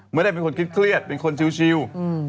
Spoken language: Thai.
ไม่ได้เป็นคนเครียดเป็นคนชิว